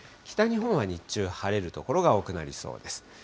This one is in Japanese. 北日本は日中、晴れる所が多くなりそうです。